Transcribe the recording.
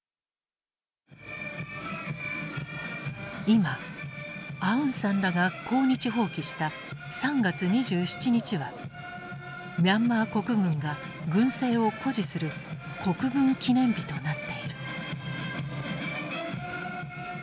今アウンサンらが抗日蜂起した３月２７日はミャンマー国軍が軍政を誇示する国軍記念日となっている。